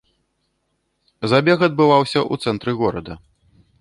Забег адбываўся ў цэнтры горада.